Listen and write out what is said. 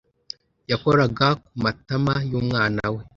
Yakoraga ku matama y’umwana we